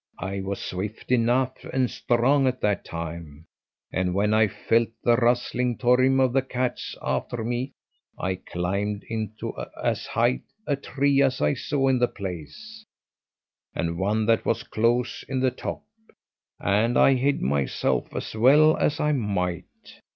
I was swift enough and strong at that time; and when I felt the rustling toirm of the cats after me I climbed into as high a tree as I saw in the place, and one that was close in the top; and I hid myself as well as I might.